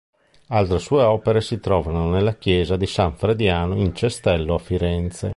Altre sue opere si trovano nella Chiesa di San Frediano in Cestello a Firenze.